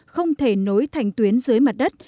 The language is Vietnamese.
không thể nối thành tuyến dưới mặt đất